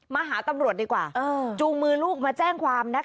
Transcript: มาหาตำรวจดีกว่าจูงมือลูกมาแจ้งความนะคะ